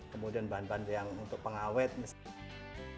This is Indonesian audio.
kemudian bahan bahan yang untuk pengawet misalnya